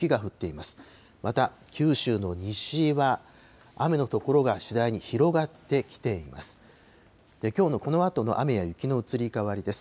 また、九州の西は、雨の所が次第に広がってきています。